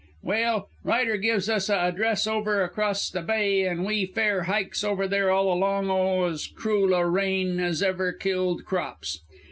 "Well, Ryder gives us a address over across the bay an' we fair hykes over there all along o' as crool a rain as ever killed crops.